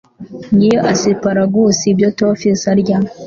ngiyo ass-paragus-ibyo toffs arya